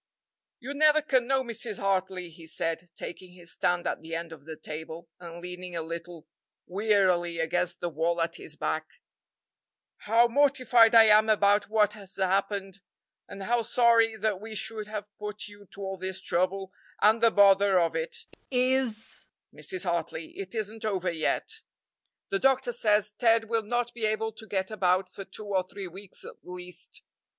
"You never can know, Mrs. Hartley," he said, taking his stand at the end of the table, and leaning a little wearily against the wall at his back, "how mortified I am about what has happened, and how sorry that we should have put you to all this trouble; and the bother of it is, Mrs. Hartley, it isn't over yet. The doctor says Ted will not be able to get about for two or three weeks at least.